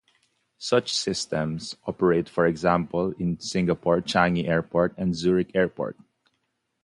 Such systems operate for example, in Singapore Changi Airport and Zurich Airport.